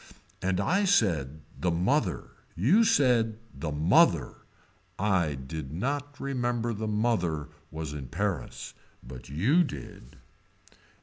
And I said the mother you said the mother. I did not remember the mother was in Paris but you did.